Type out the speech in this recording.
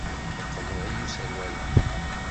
Yeqmeḍ-iyi userwal-a.